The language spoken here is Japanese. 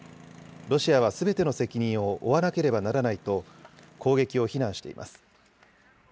ロシアはすべての責任を負わなければならないと、攻撃を非難しています。